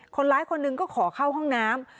คนร้ายคนหนึ่งก็ขอเข้าห้องน้ำ